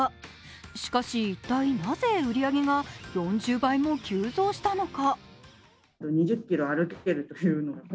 しかし、一体なぜ売り上げが４０倍も急増したのか。